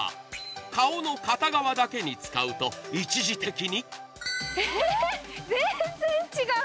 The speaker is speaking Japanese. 顔の片側だけに使うと一時的にえっ、全然違う！